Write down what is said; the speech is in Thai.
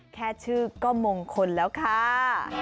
แค่ชื่อก็มงคลแล้วค่ะ